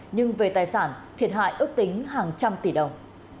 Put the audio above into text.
nhưng về tài sản thiệt hại ước tính hàng trăm tỷ đồng